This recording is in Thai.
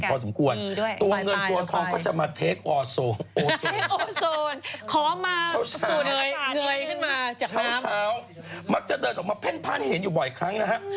เพราะฉะนั้นพ่านเห็นอยู่บ่อยครั้งนะฮะ